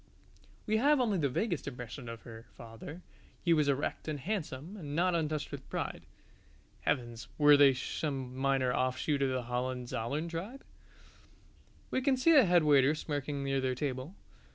We have only the vaguest impression of her father: he was erect and handsome and not untouched with pride. (Heavens, were they some minor offshoot of the Hohenzollern tribe?) We can see the head waiter smirking near their table.